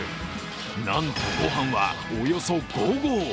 なんと、ご飯はおよそ５合。